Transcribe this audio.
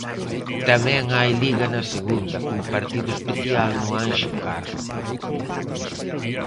Tamén hai Liga na segunda, con partido especial no Anxo Carro.